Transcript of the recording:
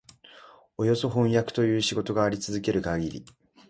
およそ飜訳という仕事があり続けるかぎり、